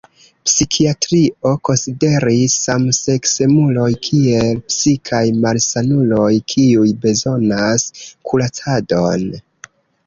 Psikiatrio konsideris samseksemuloj kiel psikaj malsanuloj kiuj bezonas kuracadon.